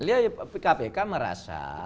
lihat kpk merasa